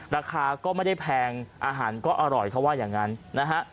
ราคาก็ไม่ได้แพงอาหารก็อร่อยเขาว่าอย่างนั้นนะฮะ